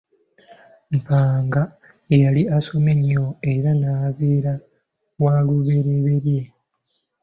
Mpanga ye yali asomye nnyo era n'abeera walubereberye.